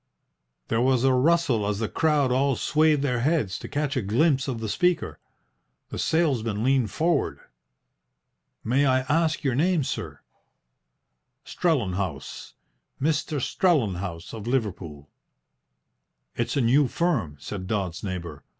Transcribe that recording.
There was a rustle as the crowd all swayed their heads to catch a glimpse of the speaker. The salesman leaned forward. "May I ask your name, sir?" "Strellenhaus Mr. Strellenhaus of Liverpool." "It's a new firm," said Dodds's neighbour.